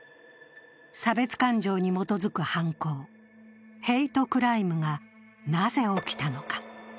差別感情に基づく犯行＝ヘイトクライムがなぜ起きたのか。